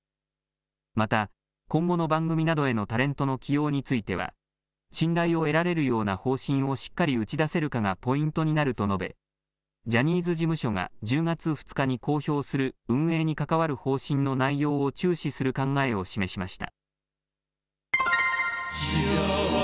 また、今後の番組などへのタレントの起用については、信頼を得られるような方針をしっかり打ち出せるかがポイントになると述べ、ジャニーズ事務所が１０月２日に公表する運営に関わる方針の内容を注視する考えを示しました。